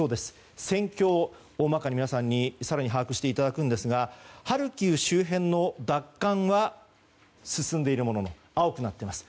戦況を大まかに更に把握していただくんですがハルキウ周辺の奪還は進んでいるものの青くなっています。